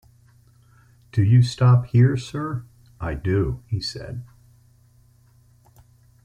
‘Do you stop here, sir?’ ‘I do,’ he said.